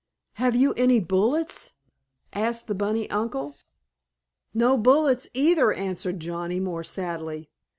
"Have you any bullets?" asked the bunny uncle. "No bullets, either," answered Johnnie, more sadly.